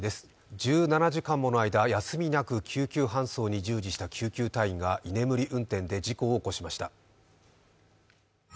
１７時間もの間休みなく救急搬送に従事した救急隊員が居眠り運転で事故を起こしました。